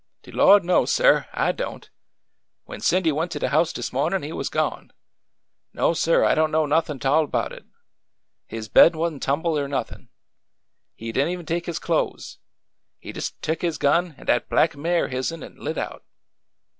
'' De Lord knows, sir ! I don't. When Cindy went to de house dis mawnin' he was gone. ... No, sir ; I don't know nothin' 't all 'bout it. His bed wa'n't tumbled or nothin'. He didn' even take his clo'es. He jes' tuk his gun, and dat black mare er hisn an' lit out."